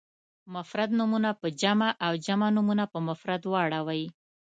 مفرد نومونه په جمع او جمع نومونه په مفرد واړوئ.